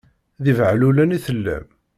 D ibehlulen i tellam.